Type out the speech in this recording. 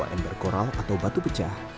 dua ember koral atau batu pecah